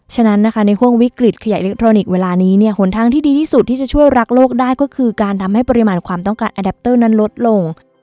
ฉะนั้นนะคะในห่วงวิกฤตขยายอิเล็กทรอนิกส์เวลานี้เนี่ยหนทางที่ดีที่สุดที่จะช่วยรักโลกได้ก็คือการทำให้ปริมาณความต้องการแอดัปเตอร์นั้นลดลง